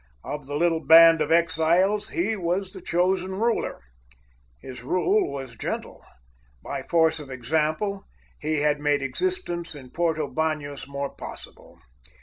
Of the little band of exiles he was the chosen ruler. His rule was gentle. By force of example he had made existence in Porto Banos more possible.